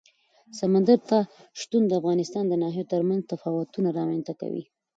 سمندر نه شتون د افغانستان د ناحیو ترمنځ تفاوتونه رامنځ ته کوي.